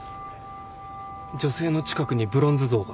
女性の近くにブロンズ像が。